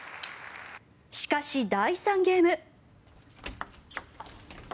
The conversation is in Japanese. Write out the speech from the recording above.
しかし第３ゲーム。